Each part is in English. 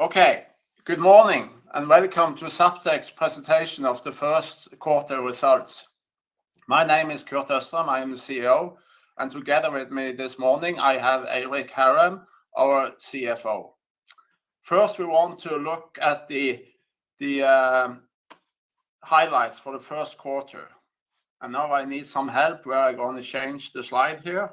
Okay, good morning, and welcome to Zaptec's presentation of the first quarter results. My name is Kurt Østrem, I am the CEO, and together with me this morning, I have Eirik Fjellså Hærem, our CFO. First, we want to look at the highlights for the first quarter, and now I need some help. We are going to change the slide here.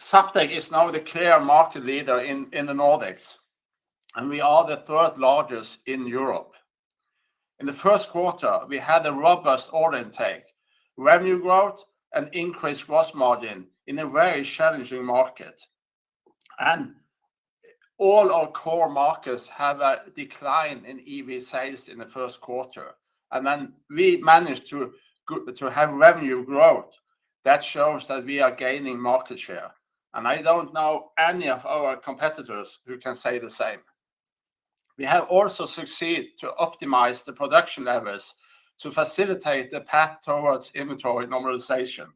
Yeah. Zaptec is now the clear market leader in the Nordics, and we are the third largest in Europe. In the first quarter, we had a robust order intake, revenue growth, and increased gross margin in a very challenging market. All our core markets have a decline in EV sales in the first quarter, and then we managed to have revenue growth. That shows that we are gaining market share, and I don't know any of our competitors who can say the same. We have also succeeded to optimize the production levels to facilitate the path towards inventory normalization.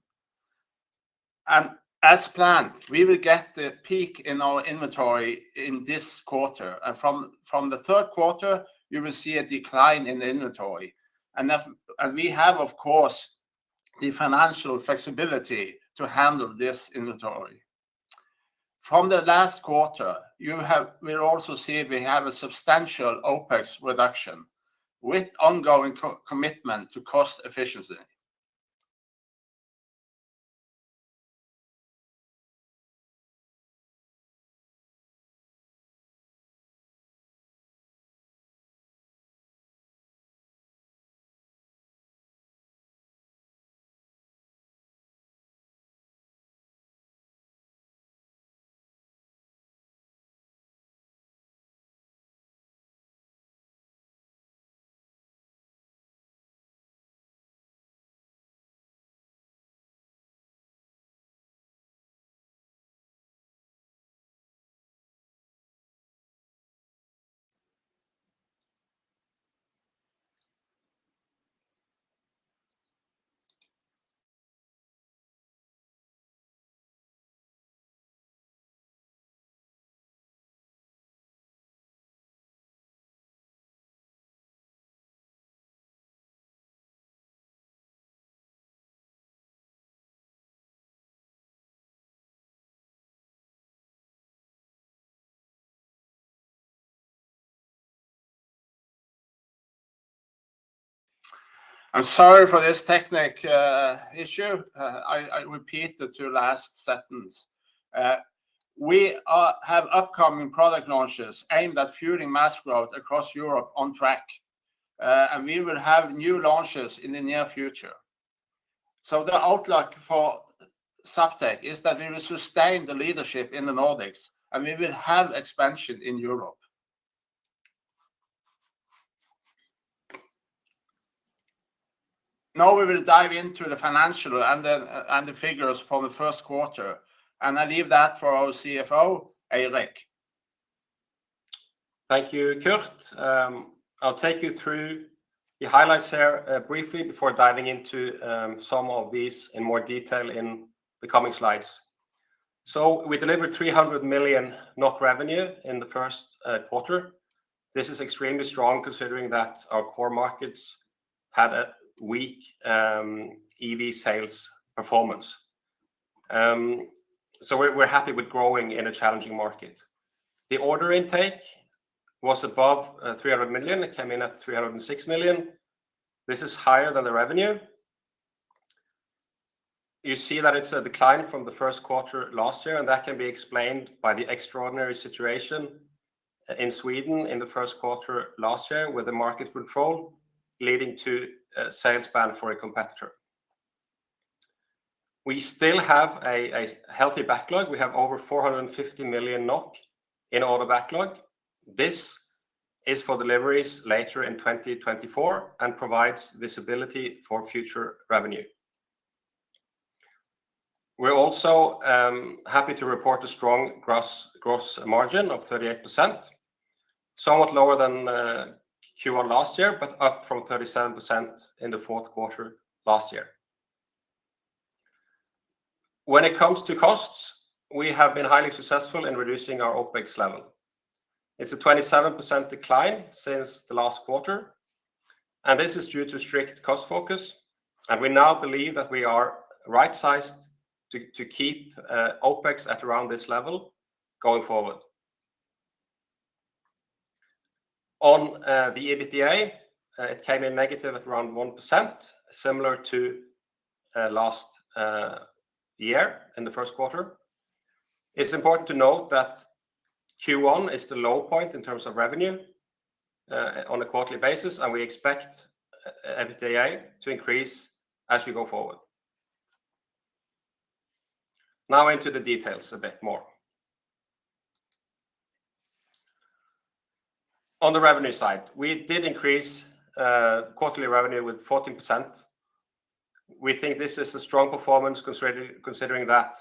As planned, we will get the peak in our inventory in this quarter, and from the third quarter, you will see a decline in the inventory. And we have, of course, the financial flexibility to handle this inventory. From the last quarter, you have. We're also seeing we have a substantial OpEx reduction, with ongoing commitment to cost efficiency. I'm sorry for this technical issue. I repeat the two last sentence. We have upcoming product launches aimed at fueling mass growth across Europe on track, and we will have new launches in the near future. So the outlook for Zaptec is that we will sustain the leadership in the Nordics, and we will have expansion in Europe. Now, we will dive into the financial and then the figures for the first quarter, and I leave that for our CFO, Eirik. Thank you, Kurt. I'll take you through the highlights here briefly before diving into some of these in more detail in the coming slides. We delivered 300 million NOK revenue in the first quarter. This is extremely strong, considering that our core markets had a weak EV sales performance. We're happy with growing in a challenging market. The order intake was above 300 million. It came in at 306 million. This is higher than the revenue. You see that it's a decline from the first quarter last year, and that can be explained by the extraordinary situation in Sweden in the first quarter last year, with the market control leading to a sales ban for a competitor. We still have a healthy backlog. We have over 450 million NOK in order backlog. This is for deliveries later in 2024 and provides visibility for future revenue. We're also happy to report a strong gross margin of 38%, somewhat lower than Q1 last year, but up from 37% in the fourth quarter last year. When it comes to costs, we have been highly successful in reducing our OpEx level. It's a 27% decline since the last quarter, and this is due to strict cost focus, and we now believe that we are right-sized to keep OpEx at around this level going forward. On the EBITDA, it came in negative at around 1%, similar to last year in the first quarter. It's important to note that Q1 is the low point in terms of revenue on a quarterly basis, and we expect EBITDA to increase as we go forward. Now into the details a bit more. On the revenue side, we did increase quarterly revenue with 14%. We think this is a strong performance, considering that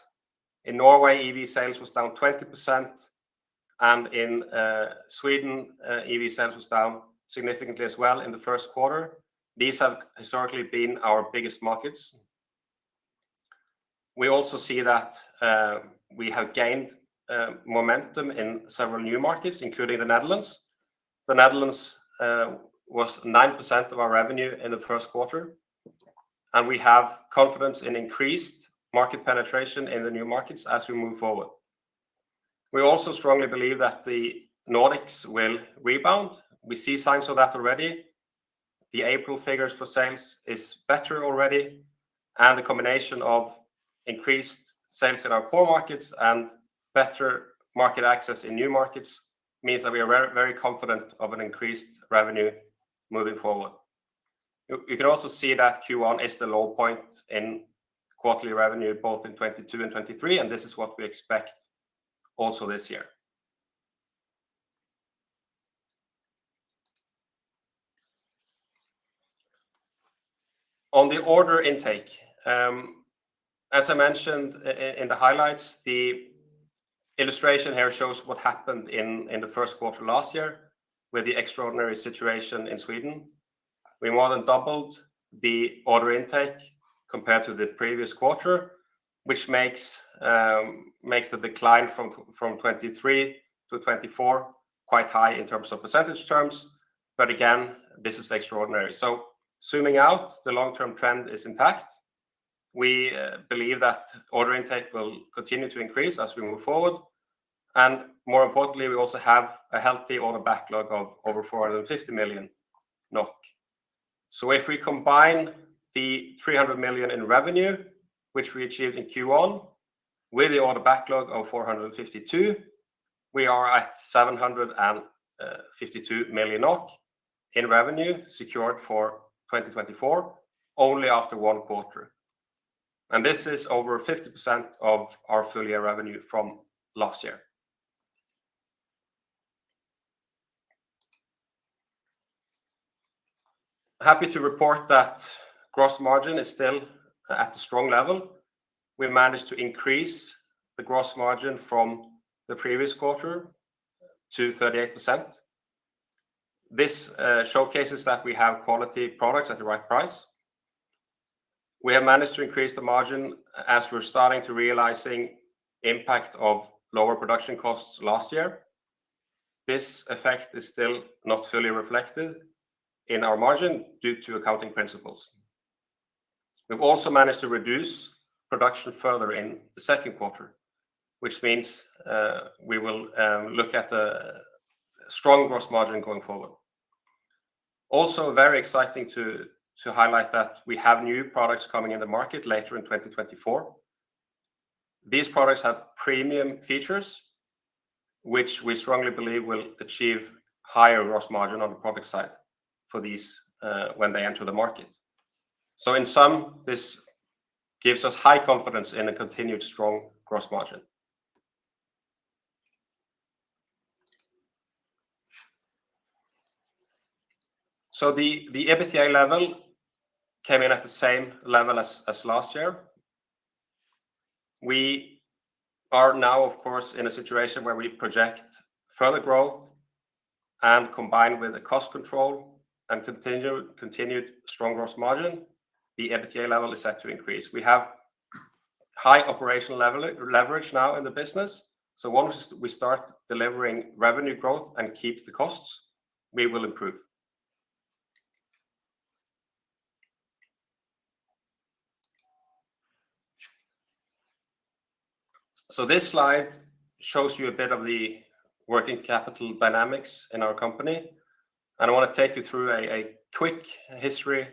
in Norway, EV sales was down 20% and in Sweden, EV sales was down significantly as well in the first quarter. These have historically been our biggest markets. We also see that we have gained momentum in several new markets, including the Netherlands. The Netherlands was 9% of our revenue in the first quarter, and we have confidence in increased market penetration in the new markets as we move forward. We also strongly believe that the Nordics will rebound. We see signs of that already. The April figures for sales is better already, and the combination of increased sales in our core markets and better market access in new markets means that we are very, very confident of an increased revenue moving forward. You, you can also see that Q1 is the low point in quarterly revenue, both in 2022 and 2023, and this is what we expect also this year. On the order intake, as I mentioned in the highlights, the illustration here shows what happened in the first quarter last year with the extraordinary situation in Sweden. We more than doubled the order intake compared to the previous quarter, which makes the decline from 2023 to 2024 quite high in terms of percentage terms. But again, this is extraordinary. So zooming out, the long-term trend is intact. We believe that order intake will continue to increase as we move forward, and more importantly, we also have a healthy order backlog of over 450 million NOK. So if we combine the 300 million in revenue, which we achieved in Q1, with the order backlog of 452, we are at 752 million NOK in revenue, secured for 2024, only after one quarter. And this is over 50% of our full-year revenue from last year. Happy to report that gross margin is still at a strong level. We managed to increase the gross margin from the previous quarter to 38%. This showcases that we have quality products at the right price. We have managed to increase the margin as we're starting to realizing impact of lower production costs last year. This effect is still not fully reflected in our margin due to accounting principles. We've also managed to reduce production further in the second quarter, which means, we will look at a strong gross margin going forward. Also, very exciting to highlight that we have new products coming in the market later in 2024. These products have premium features, which we strongly believe will achieve higher gross margin on the product side for these when they enter the market. So in sum, this gives us high confidence in a continued strong gross margin. So the EBITDA level came in at the same level as last year. We are now, of course, in a situation where we project further growth and combined with a cost control and continued strong gross margin, the EBITDA level is set to increase. We have high operational leverage now in the business, so once we start delivering revenue growth and keep the costs, we will improve. So this slide shows you a bit of the working capital dynamics in our company, and I wanna take you through a, a quick history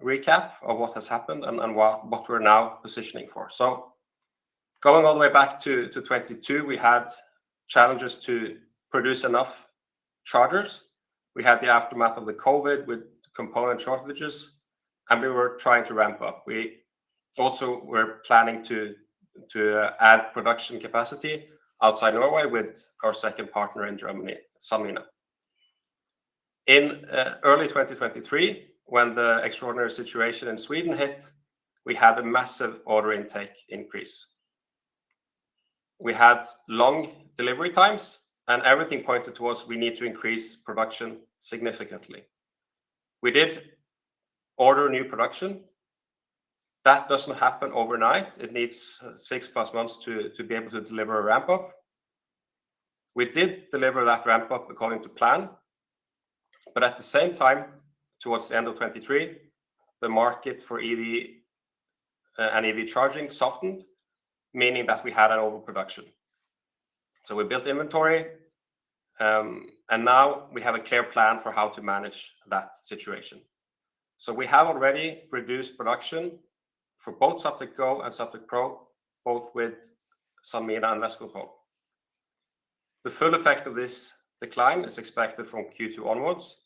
recap of what has happened and, and what, what we're now positioning for. So going all the way back to, to 2022, we had challenges to produce enough chargers. We had the aftermath of the COVID with component shortages, and we were trying to ramp up. We also were planning to, to, add production capacity outside Norway with our second partner in Germany, Sanmina. In, early 2023, when the extraordinary situation in Sweden hit, we had a massive order intake increase. We had long delivery times, and everything pointed towards we need to increase production significantly. We did order new production. That doesn't happen overnight. It needs six-plus months to be able to deliver a ramp-up. We did deliver that ramp-up according to plan, but at the same time, towards the end of 2023, the market for EV and EV charging softened, meaning that we had an overproduction. So we built inventory, and now we have a clear plan for how to manage that situation. So we have already reduced production for both Zaptec Go and Zaptec Pro, both with Sanmina and Westcontrol. The full effect of this decline is expected from Q2 onwards,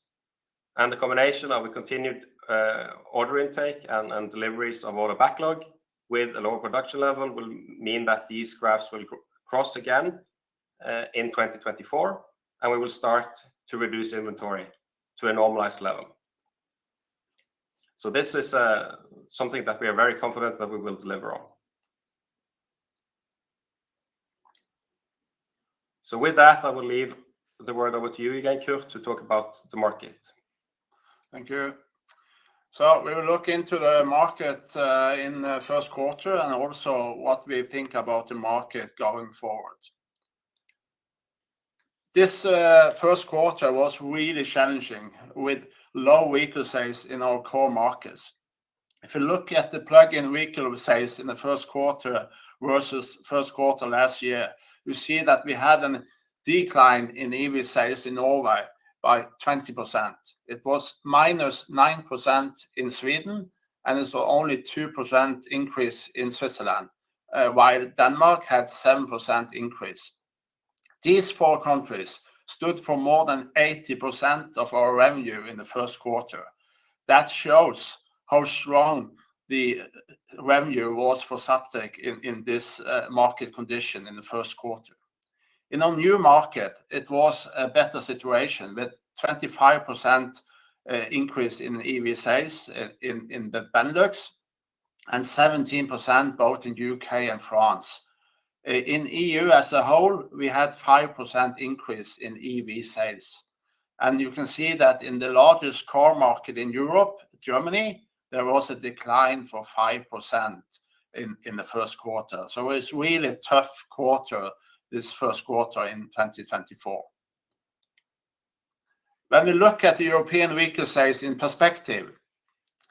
and the combination of a continued order intake and deliveries of order backlog with a lower production level will mean that these graphs will cross again in 2024, and we will start to reduce inventory to a normalized level. So this is, something that we are very confident that we will deliver on. So with that, I will leave the word over to you again, Kurt Østrem, to talk about the market. Thank you. So we will look into the market in the first quarter, and also what we think about the market going forward. This first quarter was really challenging, with low vehicle sales in our core markets. If you look at the plug-in vehicle sales in the first quarter versus first quarter last year, you see that we had an decline in EV sales in Norway by 20%. It was -9% in Sweden, and it was only 2% increase in Switzerland, while Denmark had 7% increase. These four countries stood for more than 80% of our revenue in the first quarter. That shows how strong the revenue was for Zaptec in this market condition in the first quarter. In our new market, it was a better situation, with 25% increase in EV sales in the Benelux and 17% both in U.K. and France. In EU as a whole, we had 5% increase in EV sales, and you can see that in the largest car market in Europe, Germany, there was a decline for 5% in the first quarter. So it's really a tough quarter, this first quarter in 2024. When we look at the European vehicle sales in perspective,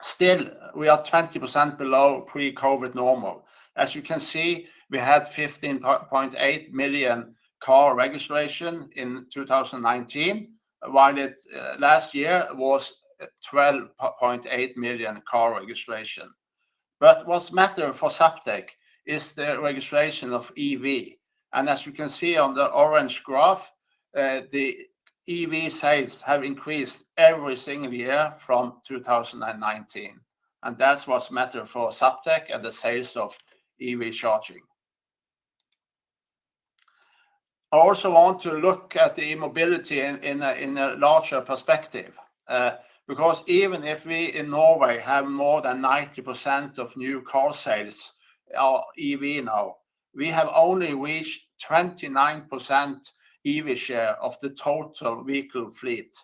still, we are 20% below pre-COVID normal. As you can see, we had 15.8 million car registration in 2019, while last year was 12.8 million car registration. But what's matter for Zaptec is the registration of EV, and as you can see on the orange graph, the EV sales have increased every single year from 2019, and that's what's matter for Zaptec and the sales of EV charging. I also want to look at the e-mobility in a larger perspective, because even if we, in Norway, have more than 90% of new car sales are EV now, we have only reached 29% EV share of the total vehicle fleet,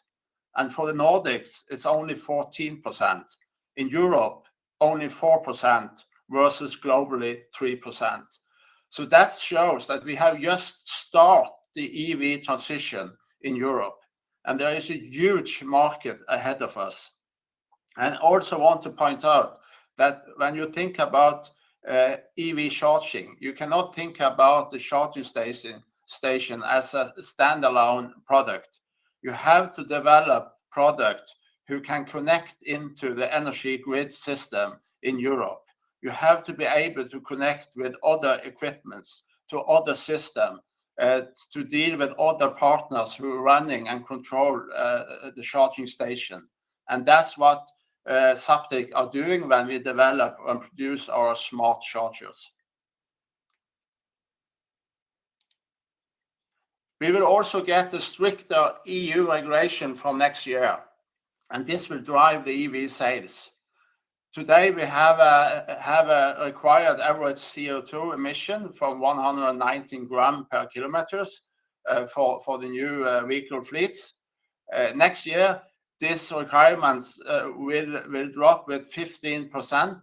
and for the Nordics, it's only 14%. In Europe, only 4%, versus globally, 3%. So that shows that we have just start the EV transition in Europe, and there is a huge market ahead of us. I also want to point out that when you think about EV charging, you cannot think about the charging station as a standalone product. You have to develop product who can connect into the energy grid system in Europe. You have to be able to connect with other equipments, to other system, to deal with other partners who are running and control the charging station, and that's what Zaptec are doing when we develop and produce our smart chargers. We will also get a stricter EU regulation from next year, and this will drive the EV sales. Today, we have a required average CO2 emission from 190 grams per kilometer for the new vehicle fleets. Next year, these requirements will drop with 15%,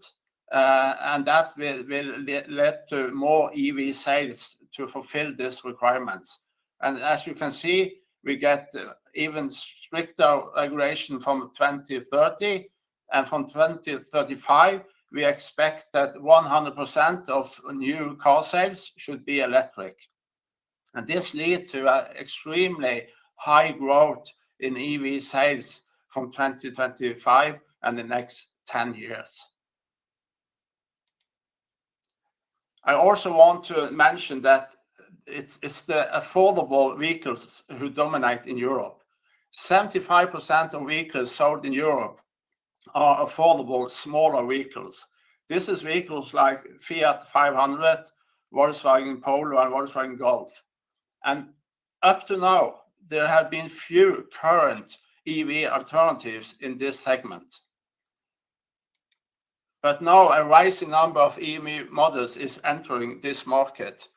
and that will lead to more EV sales to fulfill these requirements. As you can see, we get even stricter regulation from 2030, and from 2035, we expect that 100% of new car sales should be electric. This leads to extremely high growth in EV sales from 2025 and the next ten years. I also want to mention that it's the affordable vehicles who dominate in Europe. 75% of vehicles sold in Europe are affordable, smaller vehicles. These are vehicles like Fiat 500, Volkswagen Polo, and Volkswagen Golf. Up to now, there have been few current EV alternatives in this segment. But now, a rising number of EV models is entering this market,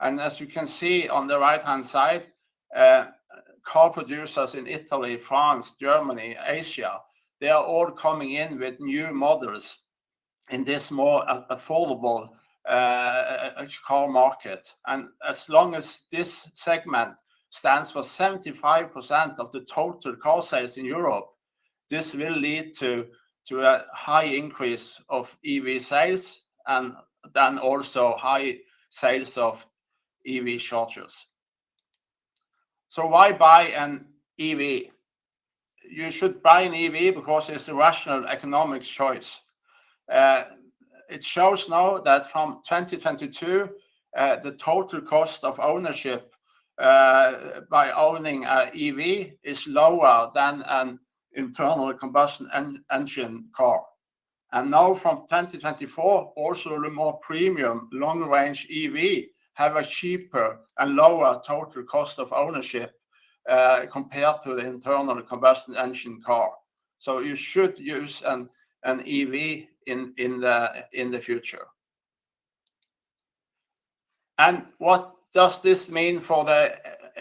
and as you can see on the right-hand side, car producers in Italy, France, Germany, Asia, they are all coming in with new models in this more affordable car market. And as long as this segment stands for 75% of the total car sales in Europe, this will lead to a high increase of EV sales, and then also high sales of EV chargers. So why buy an EV? You should buy an EV because it's a rational economic choice. It shows now that from 2022, the total cost of ownership by owning an EV is lower than an internal combustion engine car. And now from 2024, also the more premium long-range EV have a cheaper and lower total cost of ownership, compared to the internal combustion engine car. So you should use an EV in the future. And what does this mean for the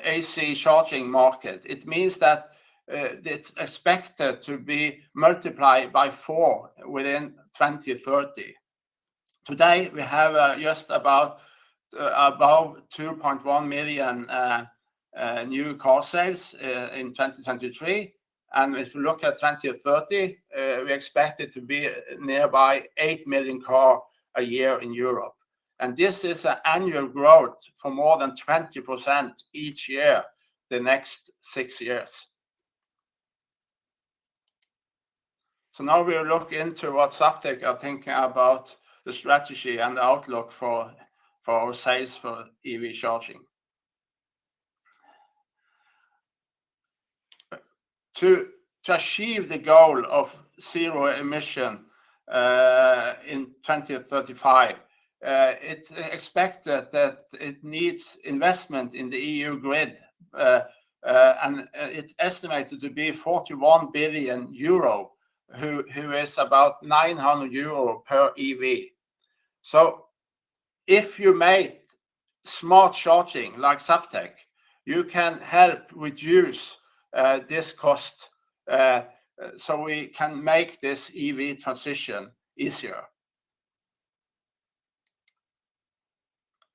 AC charging market? It means that, it's expected to be multiplied by four within 2030. Today, we have just about 2.1 million new car sales in 2023. And if you look at 2030, we expect it to be nearby 8 million car a year in Europe, and this is an annual growth for more than 20% each year, the next 6 years. So now we'll look into what Zaptec are thinking about the strategy and the outlook for our sales for EV charging. To achieve the goal of zero emission in 2035, it's expected that it needs investment in the EU grid. And it's estimated to be 41 billion euro, which is about 900 euro per EV. So if you make smart charging like Zaptec, you can help reduce this cost, so we can make this EV transition easier.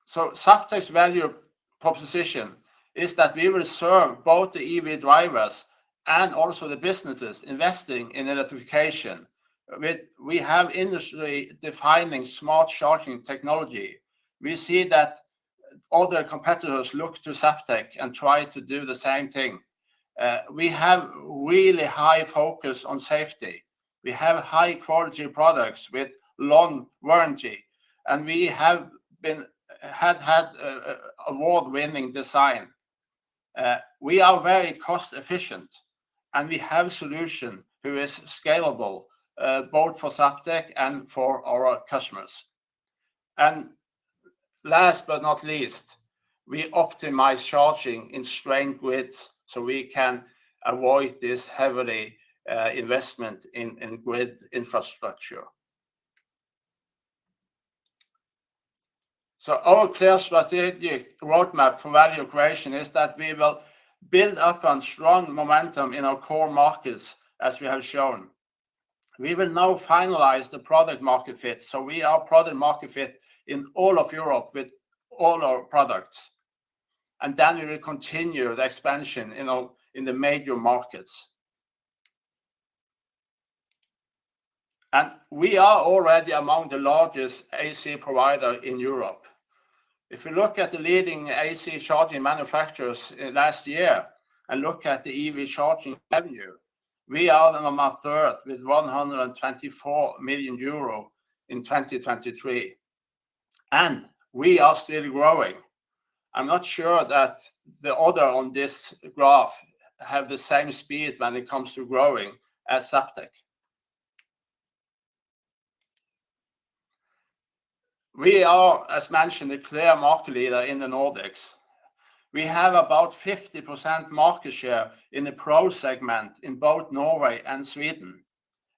So Zaptec's value proposition is that we will serve both the EV drivers and also the businesses investing in electrification. We have industry-defining smart charging technology. We see that other competitors look to Zaptec and try to do the same thing. We have really high focus on safety. We have high-quality products with long warranty, and we have had award-winning design. We are very cost efficient, and we have solution who is scalable, both for Zaptec and for our customers. Last but not least, we optimize charging in strained grids, so we can avoid this heavy investment in grid infrastructure. Our clear strategic roadmap for value creation is that we will build up on strong momentum in our core markets, as we have shown. We will now finalize the product market fit, so we are product market fit in all of Europe with all our products. Then we will continue the expansion in all the major markets. We are already among the largest AC provider in Europe. If you look at the leading AC charging manufacturers last year and look at the EV charging revenue, we are third with 124 million euro in 2023, and we are still growing. I'm not sure that the others on this graph have the same speed when it comes to growing as Zaptec. We are, as mentioned, a clear market leader in the Nordics. We have about 50% market share in the pro segment in both Norway and Sweden.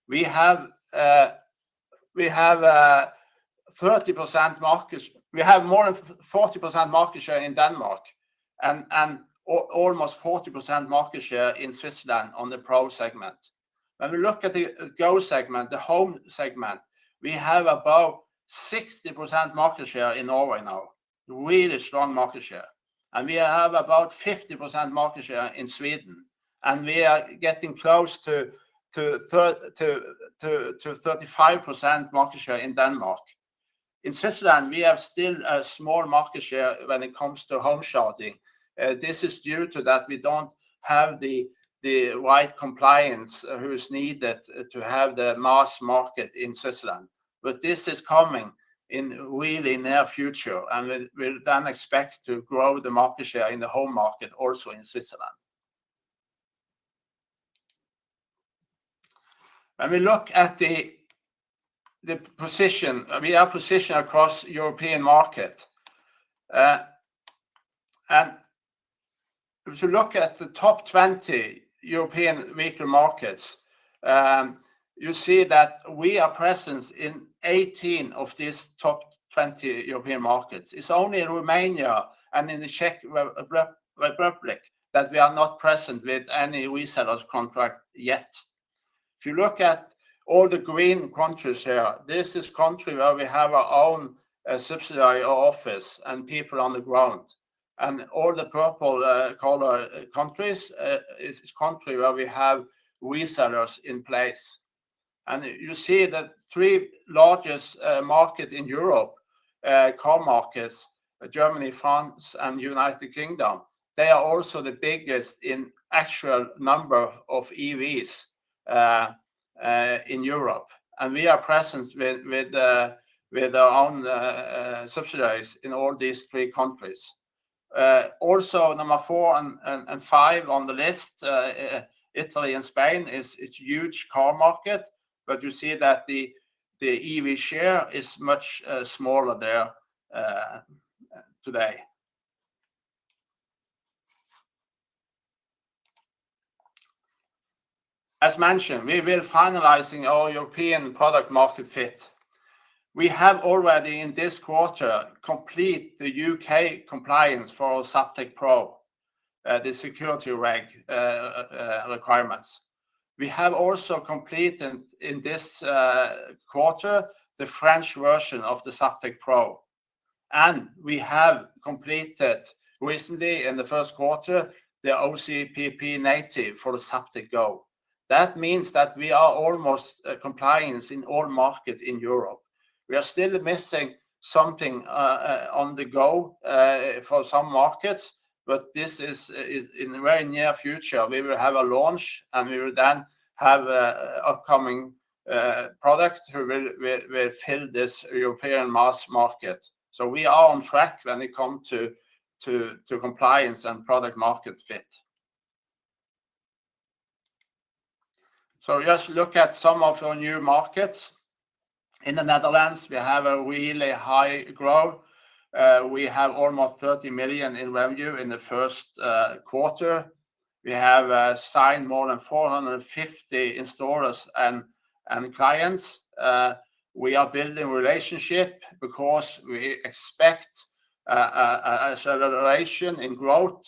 We have 30% market-- we have more than 40% market share in Denmark and almost 40% market share in Switzerland on the pro segment. When we look at the go segment, the home segment, we have about 60% market share in Norway now, really strong market share, and we have about 50% market share in Sweden, and we are getting close to thirty-five percent market share in Denmark. In Switzerland, we have still a small market share when it comes to home charging. This is due to that we don't have the right compliance who is needed to have the mass market in Switzerland. But this is coming in really near future, and we'll then expect to grow the market share in the home market, also in Switzerland. When we look at the position, I mean, our position across European market, and if you look at the top 20 European vehicle markets, you see that we are present in 18 of these top 20 European markets. It's only in Romania and in the Czech Republic that we are not present with any resellers contract yet. If you look at all the green countries here, this is country where we have our own subsidiary office and people on the ground, and all the purple color countries is country where we have resellers in place. And you see the three largest market in Europe, car markets, Germany, France, and United Kingdom, they are also the biggest in actual number of EVs, in Europe. And we are present with our own subsidiaries in all these three countries. Also number four and five on the list, Italy and Spain is huge car market, but you see that the EV share is much smaller there today. As mentioned, we're finalizing our European product market fit. We have already, in this quarter, complete the UK compliance for our Zaptec Pro, the security requirements. We have also completed in this quarter, the French version of the Zaptec Pro, and we have completed recently in the first quarter, the OCPP native for the Zaptec Go. That means that we are almost compliance in all market in Europe. We are still missing something on the Go for some markets, but this is in the very near future, we will have a launch, and we will then have an upcoming product who will fill this European mass market. So we are on track when it come to compliance and product market fit. So just look at some of our new markets. In the Netherlands, we have a really high growth. We have almost 30 million in revenue in the first quarter. We have signed more than 450 installers and clients. We are building relationship because we expect an acceleration in growth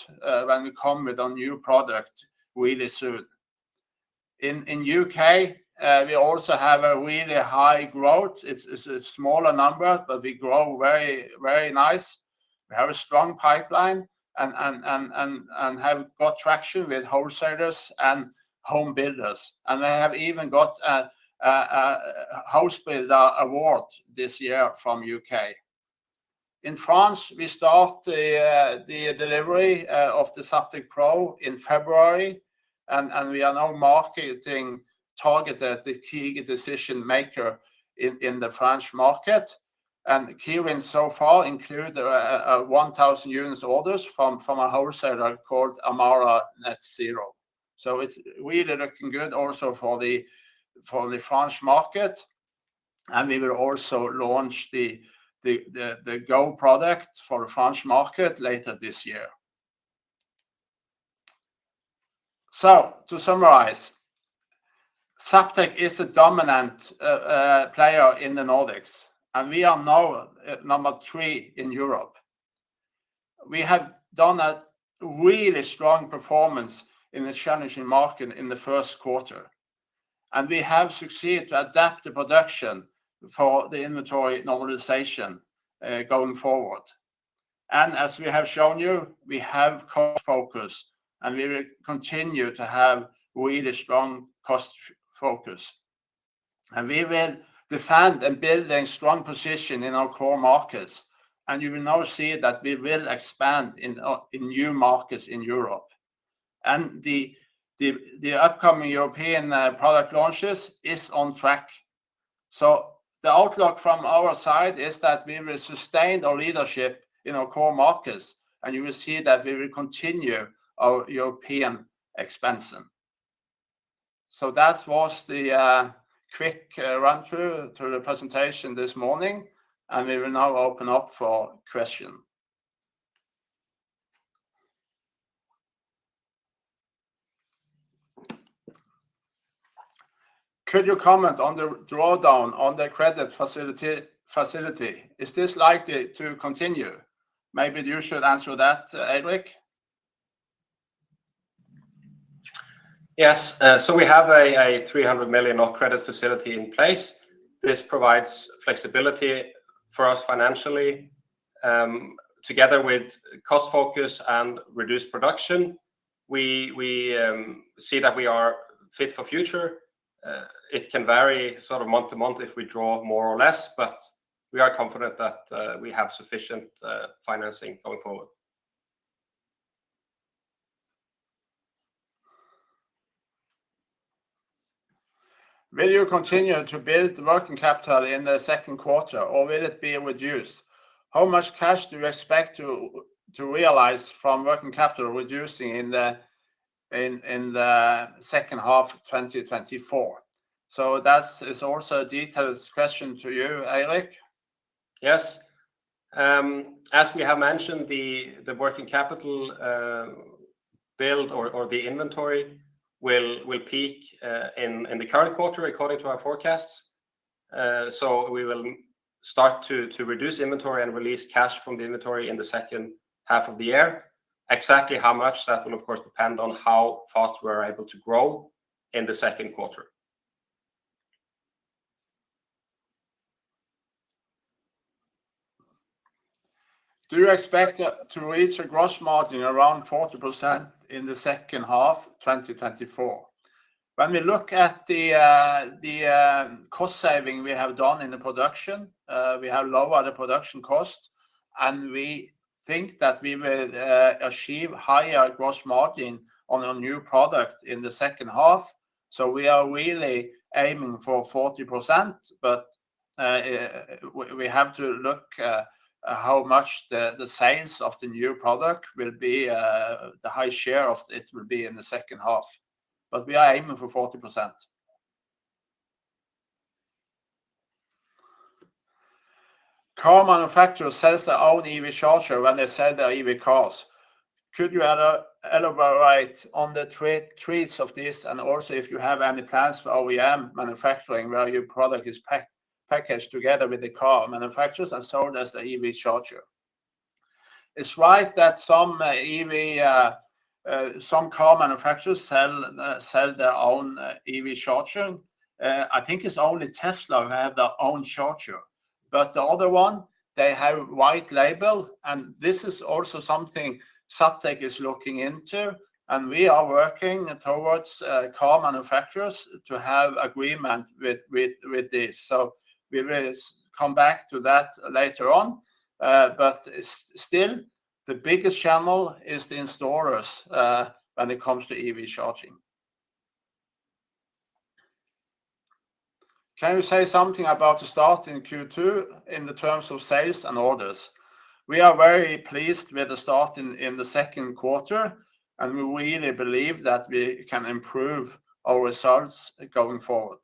when we come with a new product really soon. In UK, we also have a really high growth. It's a smaller number, but we grow very, very nice. We have a strong pipeline and have got traction with wholesalers and home builders, and they have even got a house builder award this year from U.K. In France, we start the delivery of the Zaptec Pro in February, and we are now marketing targeted the key decision-maker in the French market. Key wins so far include a 1,000 units orders from a wholesaler called Amara NZero. So it's really looking good also for the French market, and we will also launch the Go product for the French market later this year. So to summarize, Zaptec is a dominant player in the Nordics, and we are now at number three in Europe. We have done a really strong performance in a challenging market in the first quarter, and we have succeeded to adapt the production for the inventory normalization, going forward. And as we have shown you, we have cost focus, and we will continue to have really strong cost focus, and we will defend and building strong position in our core markets. And you will now see that we will expand in, in new markets in Europe. And the upcoming European, product launches is on track. So the outlook from our side is that we will sustain our leadership in our core markets, and you will see that we will continue our European expansion. So that was the quick run-through to the presentation this morning, and we will now open up for question. Could you comment on the drawdown on the credit facility? Is this likely to continue? Maybe you should answer that, Eirik. Yes, so we have a 300 million credit facility in place. This provides flexibility for us financially, together with cost focus and reduced production. We see that we are fit for future. It can vary sort of month to month if we draw more or less, but we are confident that we have sufficient financing going forward. Will you continue to build the working capital in the second quarter, or will it be reduced? How much cash do you expect to realize from working capital reducing in the second half of 2024? So that is also a detailed question to you, Eirik. Yes. As we have mentioned, the working capital build or the inventory will peak in the current quarter, according to our forecasts. So we will start to reduce inventory and release cash from the inventory in the second half of the year. Exactly how much, that will of course depend on how fast we are able to grow in the second quarter. Do you expect to reach a gross margin around 40% in the second half 2024? When we look at the cost saving we have done in the production, we have lowered the production cost, and we think that we will achieve higher gross margin on a new product in the second half. So we are really aiming for 40%, but we have to look at how much the sales of the new product will be, the high share of it will be in the second half, but we are aiming for 40%. Car manufacturer sells their own EV charger when they sell their EV cars. Could you elaborate on the trades of this, and also if you have any plans for OEM manufacturing, where your product is packaged together with the car manufacturers and sold as the EV charger? It's right that some EV some car manufacturers sell their own EV charger. I think it's only Tesla who have their own charger, but the other one, they have white label, and this is also something Zaptec is looking into, and we are working towards car manufacturers to have agreement with this. So we will come back to that later on. But still, the biggest channel is the installers when it comes to EV charging. Can you say something about the start in Q2 in the terms of sales and orders? We are very pleased with the start in the second quarter, and we really believe that we can improve our results going forward.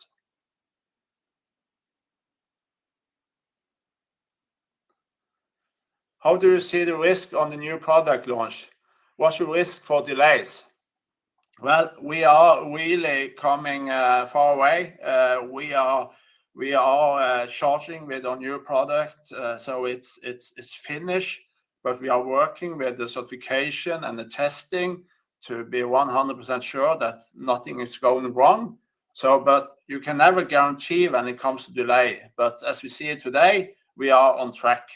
How do you see the risk on the new product launch? What's the risk for delays? Well, we are really coming far away. We are charging with our new product, so it's finished, but we are working with the certification and the testing to be 100% sure that nothing is going wrong. So, but you can never guarantee when it comes to delay, but as we see it today, we are on track.